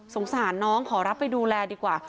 สงสารน้องขอรับไปดูแลดีกว่า